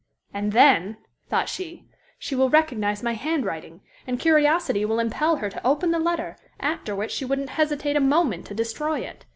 "And then," thought she, "she will recognize my handwriting, and curiosity will impel her to open the letter, after which she wouldn't hesitate a moment to destroy it."